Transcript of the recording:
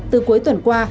từ cuối tuần qua